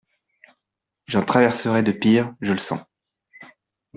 —«J’en traverserai de pires, je le sens.